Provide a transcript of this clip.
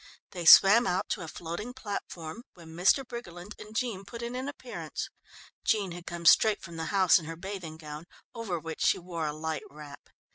They swam out to a floating platform when Mr. Briggerland and Jean put in an appearance. Jean had come straight from the house in her bathing gown, over which she wore a light wrap.